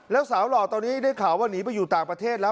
แล้วสาวหล่อตอนนี้ได้ข่าวว่าหนีไปอยู่ต่างประเทศแล้ว